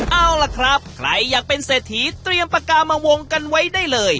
เอาล่ะครับใครอยากเป็นเศรษฐีเตรียมปากกามาวงกันไว้ได้เลย